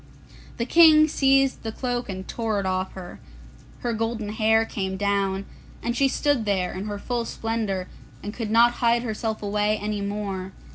The King seized the cloak and tore it off her. Her golden hair came down, and she stood there in her full splendour, and could not hide herself away any more.